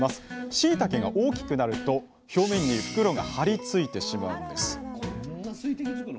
しいたけが大きくなると表面に袋が張り付いてしまうんですこんな水滴つくの？